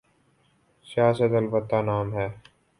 سیاست؛ البتہ نام ہے۔